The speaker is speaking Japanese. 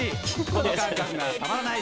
この感覚がたまらない。